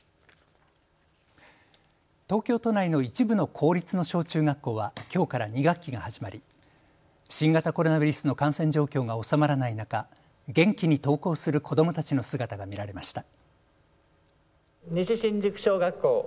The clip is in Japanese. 東京都内の一部の公立の小中学校はきょうから２学期が始まり新型コロナウイルスの感染状況が収まらない中、元気に登校する子どもたちの姿が見られました。